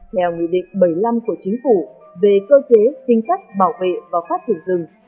theo nghị định bảy mươi năm của chính phủ về cơ chế chính sách bảo vệ và phát triển rừng